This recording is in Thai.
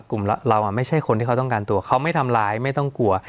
เราไม่ใช่คนที่เขาต้องการตัวเขาไม่ทำร้ายไม่ต้องกลัว